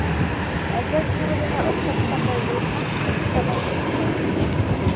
Әгәр күңелеңә оҡшатҡандай булһаң, ҡыҙың еткән.